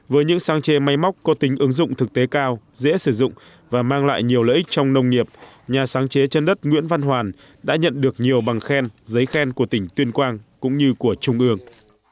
với những sáng chế máy móc có tính ứng dụng thực tế cao dễ sử dụng và mang lại nhiều lợi ích trong nông nghiệp nhà sáng chế trên đất nguyễn văn hoàn đã nhận được nhiều bằng khen giấy khen của tỉnh tuyên quang cũng như của trung ương